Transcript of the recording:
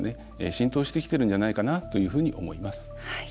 浸透してきているんじゃないかなと思います。